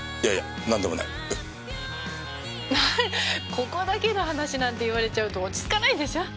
ここだけの話なんて言われちゃうと落ち着かないでしょ。